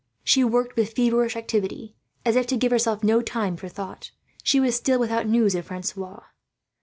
She worked with feverish activity, as if to give herself no time for thought. She was still without news of Francois.